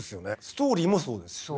ストーリーもそうですしね。